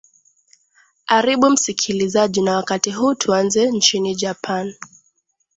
aribu msikilizaji na wakati huu tuanzie nchini japan